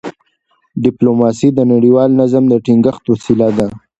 ډيپلوماسي د نړیوال نظم د ټینګښت وسیله ده.